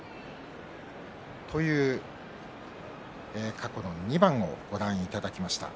過去の２番をご覧いただきました。